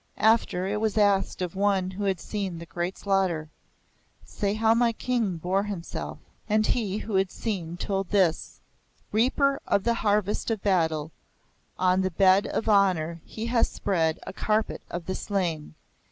After, it was asked of one who had seen the great slaughter, "Say how my King bore himself." And he who had seen told this: "Reaper of the harvest of battle, on the bed of honour he has spread a carpet of the slain!